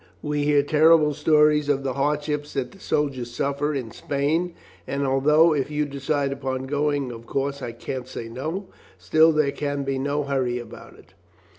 We hear terrible stories of the hardships that the soldiers suffer in Spain; and although, if you decide upon going, of course I can't say no, still there can be no hurry about it."